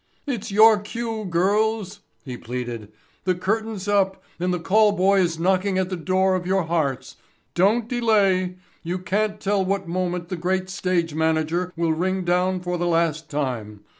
"It's your cue, girls," he pleaded. "The curtain's up and the call boy is knocking at the door of your hearts. Don't delay. You can't tell what moment the Great Stage Manager will ring down for the last time.